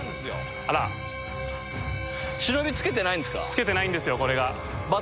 付けてないんですよこれが。